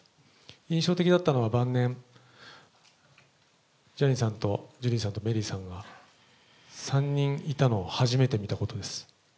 印象的だったのは、晩年、ジャニーさんとジュリーさんとメリーさんが３人いたのを初めて見たことです。